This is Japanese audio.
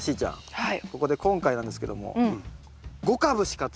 はい。